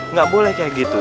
nggak boleh kayak gitu